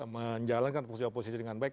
menjalankan oposisi dengan baik